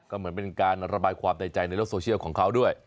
ก็เหมือนเป็นการระบายความในใจในโลกโซเชียลของเขาด้วย